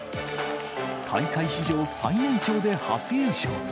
大会史上最年少で初優勝。